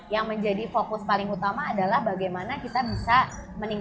yang menjadi fokus paling utama adalah bagaimana kita bisa meningkatkan